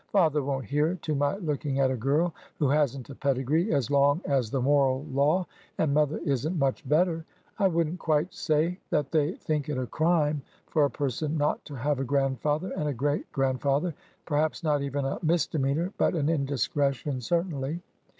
Father won't hear to my looking at a girl who has n't a pedigree as long as the moral law— and mother is n't much better ! I would n't quite say that they think it a crime for a person not to have a grandfather and a great grandfather— per haps not even a misdemeanor— but an indiscretion, cer tainly.